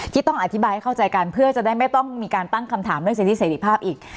ที่ต้องอธิบายให้เข้าใจกันเพื่อจะได้ไม่ต้องมีการตั้งคำถามเรื่องสิทธิเสรีภาพอีก